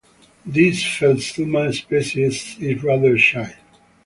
This "Phelsuma" species is rather shy.